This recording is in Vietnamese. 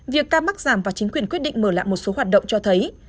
việc ca mắc giảm và chính quyền quyết định mở lại một số hoạt động cho thấy